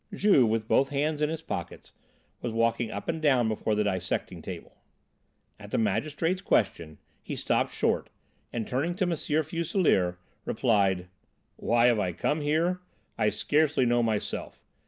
Juve, with both hands in his pockets, was walking up and down before the dissecting table. At the Magistrate's question he stopped short, and, turning to M. Fuselier, replied: "Why have I come here? I scarcely know myself.